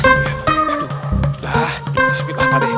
ya ini sepi pak pak d